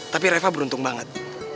tapi reva beruntung banget